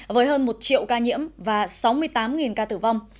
với hơn một triệu ca nhiễm và sáu mươi tám ca tử vong